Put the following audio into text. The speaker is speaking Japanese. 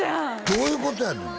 どういうことやねん